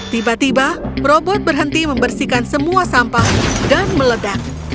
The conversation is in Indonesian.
tiba tiba robot berhenti membersihkan semua sampah dan meledak